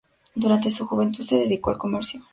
Durante su juventud se dedicó al comercio.